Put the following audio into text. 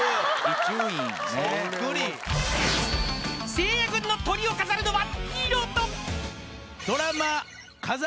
［せいや軍のトリを飾るのは］